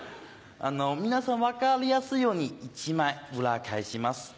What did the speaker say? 皆さん分かりやすいように１枚裏返します。